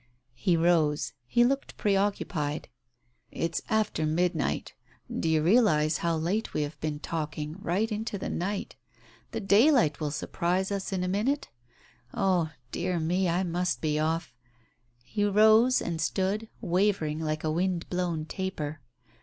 He rose. He looked preoccupied. "It's after midnight. Do you realize how late we have been talking, right into the night? The daylight will surprise us in a minute !... Oh, dear me ! I must be off." He rose, and stood, wavering like a wind blown taper.